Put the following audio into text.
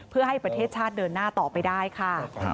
เพื่อให้ประเทศชาติเดินหน้าต่อไปได้ค่ะ